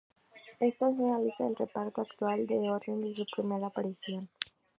Esta es una lista del reparto actual en orden de su primera aparición.